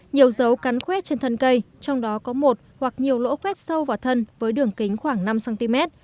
nhiều dấu cắn khuét trên thân cây trong đó có một hoặc nhiều lỗ khuét sâu vào thân với đường kính khoảng năm cm